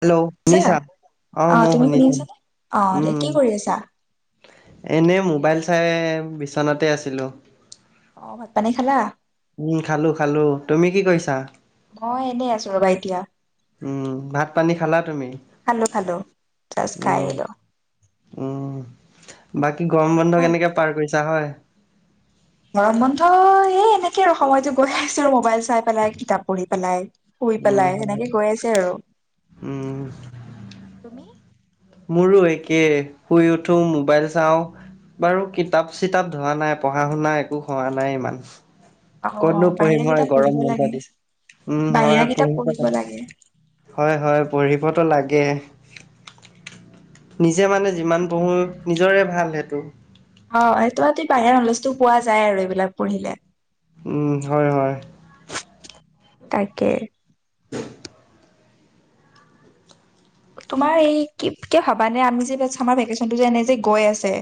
Hello ছা শুনিছা অ মই তুমি শুনি শুনিছো আছানে অ দে উম কি উম কৰি আছা এনেই মোবাইল চাই বিচনাতে আছিলোঁ অ ভাত পানী খালা উম খালো খালো তুমি কি কৰিছা মই এনেই আছো ৰবা এতিয়া উম ভাত পানী খালা তুমি খালো খালো জাষ্ট খাই উম আহিলো উম বাকী গৰম ঘৰত বন্ধ ভাল কেনেকে পাৰ কৰিছা হয় গৰম বন্ধ এই এনেকে আৰু সময়টো গৈ আছে আৰু মোবাইল চাই পেলাই কিতাপ পঢ়ি পেলাই শুই উম, পেলাই হয়। সেনেকে গৈ আছে আৰু উম, তুমি মোৰো একে শুই উঠো মোবাইল চাওঁ বাৰু কিতাপ চিতাপ ধৰা নাই পঢ়া শুনা একো হোৱা নাই ইমান অ কতনো পঢ়িম বাহিৰা হয় কিতাপ গৰম পঢ়িব বন্ধা লাগে দিছে উম হয় পঢ়িব লাগে হয় হয় পঢ়িবতো লাগে নিজে মানে যিমান পঢ়ো নিজৰে ভাল সেইটো অ সেইটো হতি বাহিৰ নলেজো পোৱা যায় আৰু এইবিলাক পঢ়িলে উম হয় হয় তাকে [unintelligible] তোমাৰ এই কিপ, কে ভাবা নে আমি যে ছামাৰ ভেকেচনটো যে এনে যে গৈ আছে।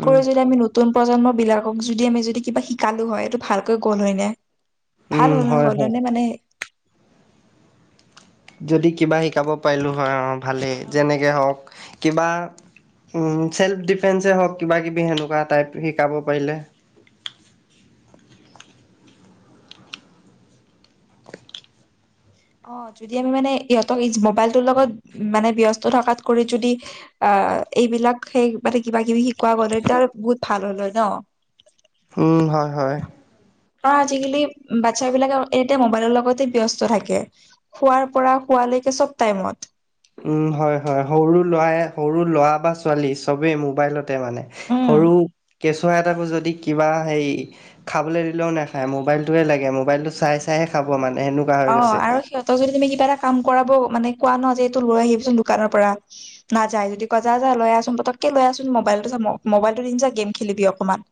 উম, যদি আমি নতুন প্ৰজন্মবিলাকক যদি আমি যদি কিবা শিকালোঁ হয়, ত' ভালকৈ গ'ল হৈ নে? ভাল উম, হ'ল, হয়, হয়। হ'লেনে মানে- যদি কিবা শিকাব পাৰিলোঁ হয়, অ' ভালে, যেনেকে হওঁক। কিবা উম, চেল্ফ ডিফেন্সে হওঁক, কিবাকিবি সেনেকুৱা টাইপ, শিকাব পাৰিলে। অ', যদি আমি মানে ইহঁতক ইছ মোবাইলটোৰ লগত, মানে ব্যস্ত থাকাত কৰি যদি - অহ, এইবিলাক সেই মানে কিবাকিবি সেই কোৱা গলেত, বহুত ভাল হ'ল হয় ন। উম, হয় হয়। অ' আজিকালি ম' বাচ্চাবিলাকে অ' এতিয়া ম'বাইলৰ লগতে ব্যস্ত থাকে। খোৱাৰ পৰা শোৱালৈকে চব টাইমত। উম, হয় হয়। সৰু ল'ৰাই, সৰু ল'ৰা বা ছোৱালী, চবে ম'বাইলত - তে মানে। উম সৰু কেঁচুৱা এটাকো যদি কিবা সেই - খাবলৈ দিলেওঁ নেখায়, ম'বাইলটোৱে লাগে। ম'বাইলটো চাই চাইহে খাব মানে, হেন - অহ, আৰু সিহঁতৰ যদি তুমি কিবা এটা কাম কৰাব, মানে কোৱা ন' যে এইটো লৈ আহিব দোকানৰ পৰা। নাযায়। যদি কয়, 'যা যা, লৈ আচোন পতকে লৈ আহচোন ম'বাইলটোযে ম-ম'বাইলটো দিম যা, গেম খেলিবি অকণমান'।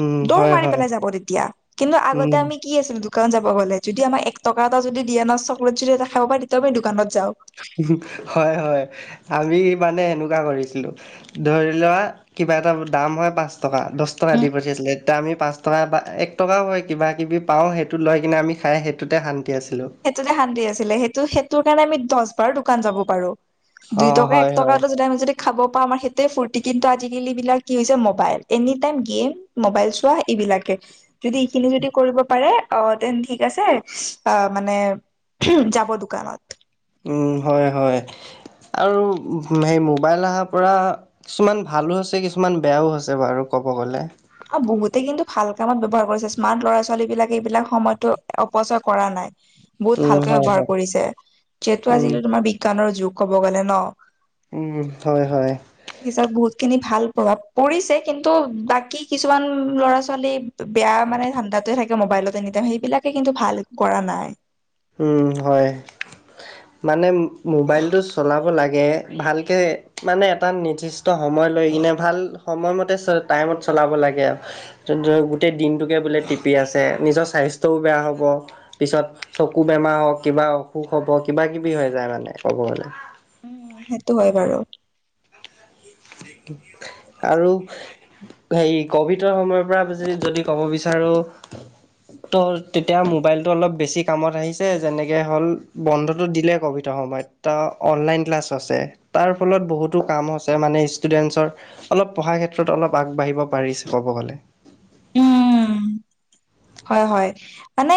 উম, দৌৰ হয়, মাৰি হয়, পেলাই যাব তেতিয়া। কিন্তু আগতে উম। আমি - কি আছিল দোকানত যাব গ'লে? যদি আমাৰ এক টকা এটা যদি দিয়ে ন', চকলেট যদি এটা খাব পায়, তেতিয়াও আমি দোকানত যাওঁ। হয় হয়। আমি মানে এনেকুৱা কৰিছিলোঁ। ধৰি লোৱা, কিবা এটা দাম হয় পাঁচ টকা, দহ টকা উম দি পঠিয়াইছিলে। ডামি পাঁচ টকা এটা, এক টকাও হয় কিবাকিবি পাওঁ। সেইটো লৈকিনে আমি খাই, সেইটোতে শান্তি আছিলোঁ। সেইটোতে শান্তি আছিলোঁ। সেইটো সেইটোৰ কাৰণে আমি দহবাৰ দোকান যাব পাৰোঁ। অ দুই টকা এক হয় হয় টকাটো যদি আমি যদি - খাব পাম আ' সেইটোৱে ফুৰ্তি। কিন্তু আজিকালিবিলাক কি হৈছে, ম'বাইল, এনিটাইম গেম - ম'বাইল ছোৱা এইবিলাকে। যদি এইখিনি যদি কৰিব পাৰে আ' দেন থিক আছে। অ' - মানে যাব দোকানত। উম, হয় হয়। আৰু মে-ম'বাইল আহা পৰা - কিছুমান ভালো আছে, কিছুমান বেয়াও আছে বাৰু ক'ব গ'লে। অৰু বহুতে কিন্তু ভাল কামত ব্যৱহাৰ কৰিছে। স্মাৰ্ট ল'ৰা-ছোৱালীবিলাকে এইবিলাক সময়টো অপচয় কৰা নাই। বহুত উম ভালকে হয় ব্যৱহাৰ হয় কৰিছে। যিহেতু উম আজিকালি তোমাৰ বিজ্ঞানৰ যুগ ক'ব গ'লে ন'। উম, হয় হয়। পিছত বহুতখিনি ভাল প্ৰভাৱ পৰিছে, কিন্তু বাকী কিছুমান ল'ৰা-ছোৱালী - বেয়া মানে ধান্দাতে থাকে ম'বাইলত এনিটাইম। সেইবিলাকে কিন্তু ভাল কৰা নাই। উম, হয়। মানে ম'বাইলটো চলাব লাগে, ভালকে মানে এটা নিৰ্দিষ - ষ্ট সময় লৈ কিনে ভাল সময়মতে চ' টাইমত চলাব লাগে আৰু। যোনটো গোটেই দিনটোকে বোলে টিপি আছে। নিজৰ স্বাস্থ্যও বেয়া হ'ব, পিছত - চকু বেমাৰ হওঁক কিবা অসুখ হ'ব, কিবাকিবি হৈ যায় মানে, ক'ব গ'লে। উম, সেইটো হয় বাৰু। আৰু - হেৰি ক'ভিডৰ সময়ৰ পৰা য-যদি ক'ব বিচাৰোঁ। ত তেতিয়া ম'বাইলটো অলপ বেছি কামত আহিছে। যেনেকে হ'ল বন্ধটো দিলে ক'ভিডৰ সময়ত। ত' অনলাইন ক্লাছ আছে। তাৰ ফলত বহুতো কামো আছ - ছে মানে ষ্টুডেণ্টছৰ অলপ পঢ়া ক্ষেত্ৰত অলপ আগবাঢ়িব পাৰিছ, ক'ব গ'লে। উম, হয় হয়। মানে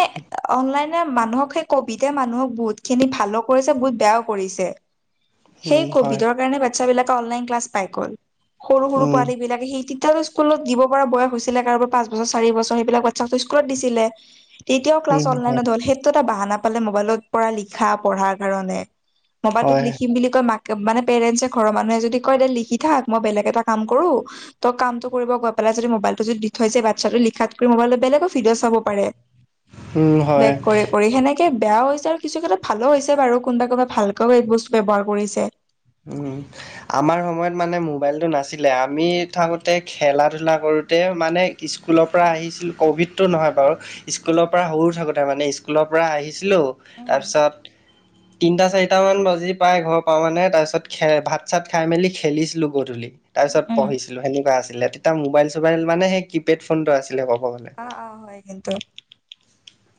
অনলাইনে মানুহক সেই - ক'ভিডতে মানুহক বহুতখিনি ভালো কৰিছে, বহুত বেয়াও কৰিছে। সেই উম হয় কভিডৰ কাৰণে বাচ্ছা বিলাক অনলাইন ক্লাছ পাই গ'ল। সৰু-সৰু উম পোৱালিবিলাকে সেইটি স্কুলত দিব পৰা বয়স হৈছিলে। কাৰোবাৰ পাঁচ বছৰ, চাৰি বছৰ সেইবিলাক বাচ্ছাটো স্কুলত দিছিলে। তেতিয়াও ক্লাছ উম হয় অনলাইনত হ'ল। সেইটো এটা বাহানা পালে মোবাইলৰ পৰা লিখা-পঢ়াৰ কাৰণে। মোবাইলটোত হয় লিখিম বুলি কৈ মাক মানে পেৰেণ্টছে ঘৰৰ মানুহে যদি কয় দে লিখি থাক। মই বেলেগ এটা কাম কৰো। ত' কামটো কৰিব গৈ পেলাই যদি মোবাইল দি থৈ যায়, বাচ্ছাটো লিখাতকৈ মোবাইলত বেলেগো ভিডিঅ' চাব পাৰে। উম হয় বেক কৰে কৰি। সেনেকে বেয়াও হৈছে আৰু কিছু ক্ষেত্ৰত ভালো হৈছে বাৰু কোনবা কোনবা ভালকৈ এই বস্তু ব্যৱহাৰ কৰিছে। উম। আমাৰ সময়ত মানে মোবাইলটো নাছিলে। আমি থাকোঁতে খেলা-ধূলা কৰোঁতে মানে স্কুলৰ পৰা আহিছিলোঁ। ক'ভিডটো নহয় বাৰু। স্কুলৰ পৰা সৰু থাকোঁতে মানে। স্কুল স্কুলৰ পৰা আহিছিলোঁ। উম তাৰপিছত তিনটা, চাৰিটামান বাজি পাই ঘৰ পাওঁ মানে। তাৰপিছত খে ভাত-চাত খাই মেলি খেলিছিলোঁ গধূলি। উম তাৰপিছত উম পঢ়িছিলো সেনেকুৱা আছিলে। তেতিয়া মোবাইল-চোবাইল মানে সেই কিপেড ফোনটো আছিলে ক'ব গ'লে। অ অ হয় কিন্তু।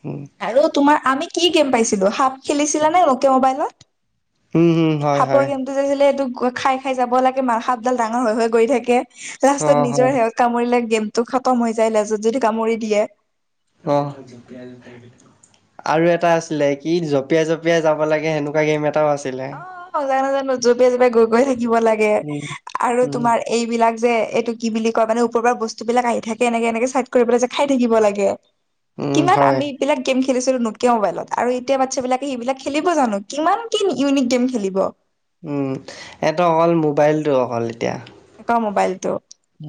উম। আৰু তোমাৰ আমি কি গেম পাইছিলোঁ? সাপ খেলিছিলা নে নকীয়া মোবাইলত? উম উম। হয় সাপৰ হয়। গেমটো এইটো খাই-খাই যাব লাগে। মা সাপডাল ডাঙৰ হৈ হৈ গৈ থাকে। লাষ্টত অ', নিজৰ হয়, সেহত কামুৰিলে গেমটো খতম হৈ যায়, লেজত যদি কামুৰি দিয়ে। অ আৰু এটা আছিলে, কি জপিয়াই জপিয়াই যাব লাগে সেনেকুৱা গেম এটাও আছিল। অ [unintelligible] জপিয়াই জপিয়াই গৈ গৈ থাকিব লাগে উম, আৰু উম, তোমাৰ এইবিলাক যে এইটো কি বুলি কয়! মানে ওপৰৰপৰা বস্তুবিলাক আহি থাকে এনেকে-এনেকে চাইড কৰিবলৈ যে খাই থাকিব লাগে। উম, কিমান হয়, আমি বিলাক গেম খেলিছিলো নকীয়া মোবাইলত আৰু এতিয়া বাচ্ছাবিলাকে সেইবিলাক খেলিব জানোঁ? কিমান কিনি ইউনিক গেম খেলিব। উ [unintelligible] অকল মোবাইলটো অকল এতিয়া। [unintelligible] মোবাইলটো।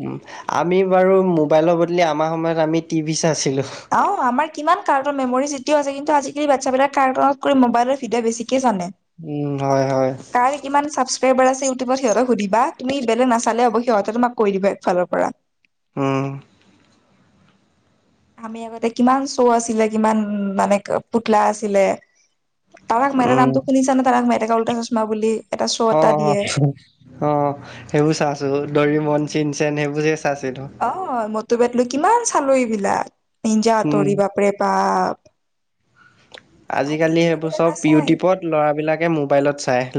উ আমি বাৰু মোবাইলৰ বদলি আমাৰ সময়ত আমি টিভি চাইছিলোঁ। আও আমাৰ কিমান কাৰ্টৰ মেমৰিজ এতিয়াও আছে কিন্তু আজিকালি বাচ্ছাবিলাক কাৰ্টনত কৰি মোবাইলৰ ভিডিঅ' বেছিকে জানে। উম, হয়, হয়, তাৰ কিমান চাব [unintelligible] সুধিবা তুমি বেলেগ নাচালে হ'ব। সিহঁতে তোমাক কৈ দিব একফালৰ পৰা। উ আমি আগতে কিমান শ্ব' আছিলে কিমান মানে পুতলা আছিলে। তাৰাক মেহতা উম, নামটো শুনিছা নে? তাৰাক মেহতা কা উল্টা চচমা বুলি? এটা শ্ব' অ অ এটা দিয়ে অ সেইবোৰ চাইছো। ডৰিমন চিন চেন সেইবোৰহে চাইছিলো। অ 'মটু পেটলু' কিমান চালো এইবিলাক 'নিঞ্জা উম হাতৰি' বাপৰে বাপ আজিকালি সেইবোৰ এইবিলাক চব নাচায় ইউটিউবত ল'ৰাবিলাকে মোবাইলত চায়।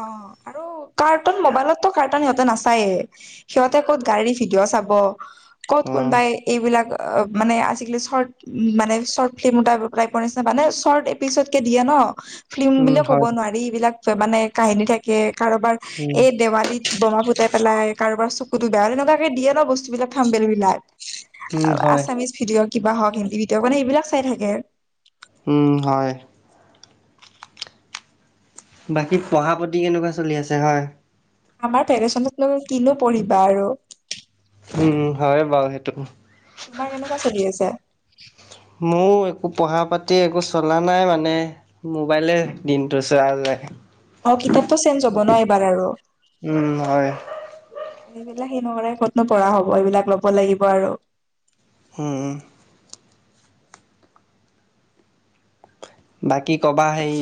অ আৰু কাৰ্টুন, মোবাইলতটো কাৰ্টুন সিহঁতে নাচায়ে। সিহঁতে ক'ত গাড়ী ভিডিঅ' চাব। ক'ত অ কোনবাই এইবিলাক মানে আজিকালি চৰ্ট উ' মানে চৰ্ট ফিল্ম টাইপ টাইপৰ নিচিনা মানে চৰ্ট এপিচডকে দিয়ে ন' ফিল্ম উম বুলি ক'ব হয় নোৱাৰি এইবিলাক, মানে কাহিনী থাকে কাৰোবাৰ উম এই দেৱালীত বমা ফুটাই পেলাই কাৰোবাৰ চকুতো বেয়া এনেকুৱাকে দিয়ে ন বস্তু বিলাক থামবেল উম বিলাক হয় আছামিচ ভিডিঅ' কিবা হওঁক হিন্দী ভিডিঅ' মানে এইবিলাক চাই থাকে হুম হয় বাকী পঢ়া প্ৰতি কেনেকুৱা চলি আছে হয় আমাৰ ফেৰেচনত ন কিনো পঢ়িবা আৰু উম হয় বাৰু সেইটো তোমাৰ কেনেকুৱা চলি আছে মোৰ একো পঢ়া পাতি একো চলা নাই মানে মোবাইলে দিনটো চোৱা যায় অ কিতাপটো চেঞ্জ হ'ব ন এইবাৰ আৰু উম হয় সেইবিলাক [unintelligible] ক'ত ন পঢ়া হ'ব এইবিলাক ল'ব লাগিব আৰু হুম উম বাকী ক'ৰবাৰ সেই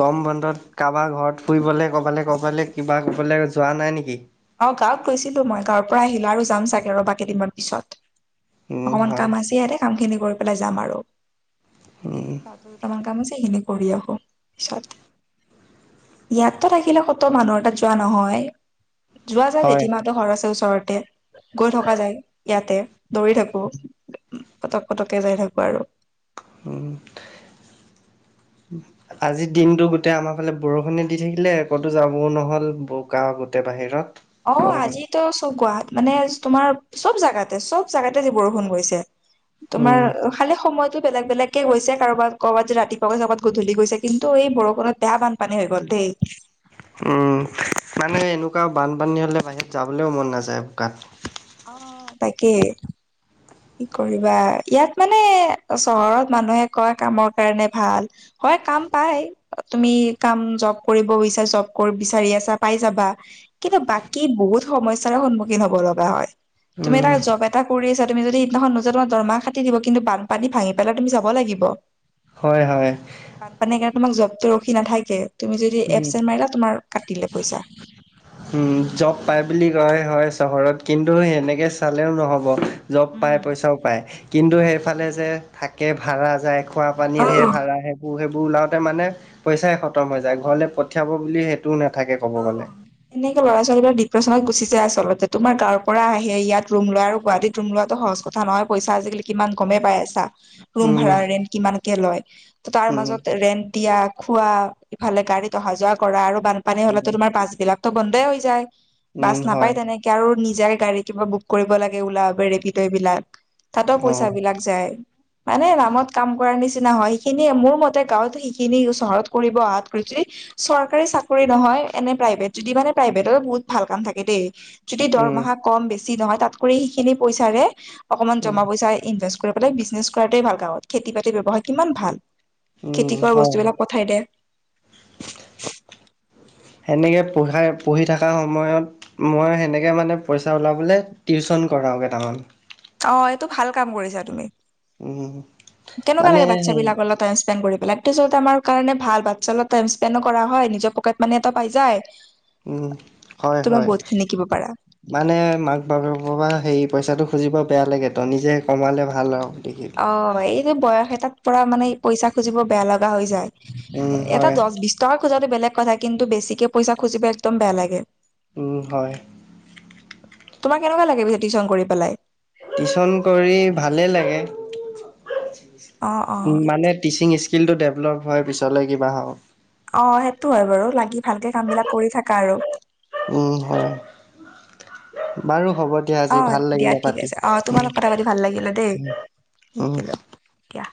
গৰম বন্ধত কাৰোবাৰ ঘৰত ফুৰিবলৈ ক'ৰবালৈ ক'ৰবালৈ কিবা ক'বলৈ যোৱা নাই নেকি অ গাঁৱত গৈছিলো মই গাঁৱৰ পৰা আহিলা আৰু যাম চাগে ৰ'বা কেইদিনমান পিছত উম অকমান কাম হয় আছে ইয়াতে কামখিনি কৰি পেলাই যাম আৰু উম উম দুটামান কাম আছে সেইখিনি কৰি আহো পিছত ইয়াতটো থাকিলে ক'ত মানুহৰ তাত যোৱা নহয় যোৱা যায় হয় জেঠীমাহঁতৰ ঘৰ আছে ওচৰতে গৈ থকা যায় ইয়াতে দৌৰি থাকো পটক পটকে যাই থাকো আৰু উম হ আজি দিনটো গোটেই আমাৰ ফালে বৰষুণে দি থাকিলে ক'তো যাবওঁ নহ'ল বোকা গোটেই বাহিৰত অ ক'ব গ'লে আজিতো চব গুৱাহাট মানে তোমাৰ চব জাগাতে চব জাগাতে আজি বৰষুণ পৰিছে উম তোমাৰ খালি সময়তো বেলেগ বেলেগ কে গৈছে কাৰবাত ক'ৰবাত যদি ৰাতিপুৱা গৈছে ক'ৰবাত গধূলি গৈছে কিন্তু এই বৰষুণত বেয়া বানপানী হৈ গ'ল দেই উম মানে এনেকুৱা বানপানী হ'লে বাহিৰত যাবলৈও মন নাযায় বোকাত অ তাকে কি কৰিবা ইয়াত মানে চহৰত মানুহে কয় কামৰ কাৰণে ভাল। হয় কাম পাই। তুমি কাম জব কৰিব বিচাৰিছা জব কৰিব বিচাৰি আছা পাই যাবা। কিন্তু বাকী বহুত সমস্যাৰ সন্মুখীন হ'ব লগা হয় তুমি উম তাৰ জব এটা কৰি আছা তুমি যদি সেইদিনাখন নোযোৱা তোমাৰ দৰমহা কাটি দিব কিন্তু বান পানী ভাঙি পেলাই তুমি যাব লাগিব। হয় হয় বানপানীৰ কাৰণে তোমাৰ জবটো ৰখি নাথাকে তুমি যদি উম এপচেন মাৰিলা তোমাৰ কাটিলে পইচা। উম জব পাই বুলি কয় হয় চহৰত কিন্তু সেনেকে চালেও নহ'ব। জব পায় পইচাও পায় কিন্তু সেইফালে যে থাকে ভাড়া যায়। খোৱা পানীৰ হে অ', ভাড়া সেইবোৰ সেইবোৰ ওলাওতে মানে পইচাই খতম হৈ যায় ঘৰলে পঠিয়াব বুলি একো নাথাকে ক'ব গ'লে। এনেকে ল'ৰা ছোৱালীবিলাক ডিপ্ৰেচনত গুচি যায় আচলতে তোমাৰ গাঁৱৰ পৰা আহে ইয়াত ৰুম লয় আৰু গুৱাহাটীত ৰুম লোৱাটো সহজ কথা নহয় পইচা আজিকালি কিমান গমেই পাই আছা। ৰুম উম, ভাড়া ৰেন্ট কিমানকে লয় ত' তাৰ উম, মাজত ৰেন্ট দিয়া খোৱা ইফালে গাড়ীত অহা যোৱা কৰা আৰু বানপানী হ'লেটো উম, তোমাৰ বাছ বিলাকতো বন্ধই হৈ যায়। উম, বাছ নাপায় হয় তেনেকে আৰু নিজাৰে গাড়ী কিবা বুক কৰিব লাগে ওলা উবেৰ ৰেপিড' এইবিলাক। তাতো পইচা অ', বিলাক যায়। মানে নামত কাম কৰাৰ নিচিনা হয় সেইখিনিয়ে মোৰ মতে গাঁৱত সেইখিনি চহৰত কৰিব অহাত কৈ যদি চৰকাৰী চাক- কৰি নহয় এনে প্ৰাইভেট যদি মানে প্ৰাইভেটত বহুত ভাল কাম থাকে দেই, যদি উম, দৰমাহা কম বেছি- বেছি নহয়, তাতকৈ সেইখিনি পইচাৰে অকমান উম, জমা পইচা ইনভেষ্ট- কৈ পেলাই বিজনেছ কৰাটোৱে ভাল গাৱঁত, খেতি বাতিৰ ব্যৱহাৰ কিমান ভাল উম, খেতি কৰা হয়। বস্তুবিলাক পঠাই দে। সেনেকে পঢ়াই পঢ়ি থকা সময়ত- মই সেনেকে মানে পইচা ওলাবলে টিউচন কৰাও কেইটামান। অঁ এইটো ভাল কাম কৰিছা তুমি। উম, কেনেকুৱা মানে লাগে বাৎচ্ছা হেৰি বিলাকৰ লগত টাইম স্পেণ্ড কৰি পেলাই। টিউচনটো আমাৰ কাৰণে ভাল, বাৎচ্ছা লগত টাইম স্পেণ্ডো কৰা হয় নিজৰ পকেট মানি এটা পাই যায়। উম, হয়, তোমাৰ হয়। বহুত খিনি শিকিব পাৰা। মানে মাক বাপেকপা হেই পইচাটো খুজিব বেয়া লাগে ত নিজে কমালে ভাল আৰু দেখি। অঁ মানে এইটো বয়স এটাত পৰা মানে পইচা খুজিব বেয়া লগা হৈ যায়, উম এটা হয় দশ বিশ- টকা খোজাটো বেলেগ কথা, কিন্তু বেছিকে পইচা খুজিব একদম বেয়া লাগে। উম' হয়। তোমাৰ কেনেকুৱা লাগে পিছে টিউচন কৰি পেলাই? টিউচন কৰি ভালে লাগে, অ অ উম মানে- টিচিং স্কিলটো ডেভলপ হয় পিছলৈ কিবা হওক। অঁ সেইটো হয় বাৰু, লাগি ভালকে কাম বিলাক কৰি থাকা আৰু। উম' হয়, বাৰু হ'ব- দিয়া আজি অঁ ভাল দিয়া লাগিলে ঠিক পাতি আছে, অঁ উম তোমালগত কথা পাতি ভাল লাগিলে দেই, উম শিকিলো দিয়া।